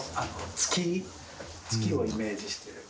月をイメージしてる。